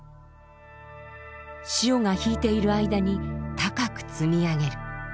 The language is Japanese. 潮が引いている間に高く積み上げる。